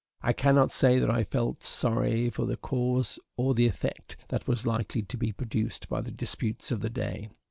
I cannot say that I felt sorry for the cause or the effect that was likely to be produced by the disputes of the day.